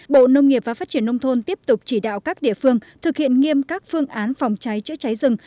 bộ nông nghiệp và phát triển nông thôn tiếp tục chỉ đạo các địa phương thực hiện nghiêm các phương án phòng cháy chữa cháy rừng